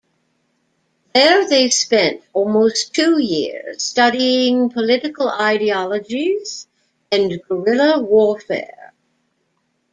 There they spent almost two years studying political ideologies and guerrilla warfare.